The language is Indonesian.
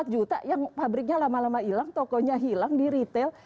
empat juta yang pabriknya lama lama hilang tokonya hilang di retail